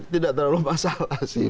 tidak terlalu masalah sih